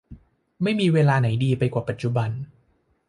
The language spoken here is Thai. ไม่มีเวลาไหนดีไปกว่าปัจจุบัน